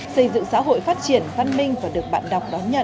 xây dựng xã hội phát triển văn minh và được bạn đọc đón nhận